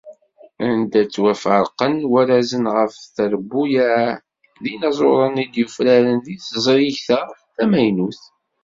Anda ttwaferqen warrazen ɣef trebbuyaɛ d yinaẓuren i d-yufraren deg teẓrigt-a tamaynut.